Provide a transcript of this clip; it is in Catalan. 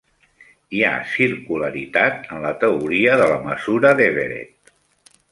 Hi ha circularitat en la teoria de la mesura d'Everett.